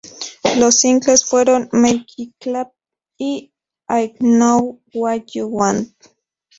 Los singles fueron "Make It Clap" y "I Know What You Want".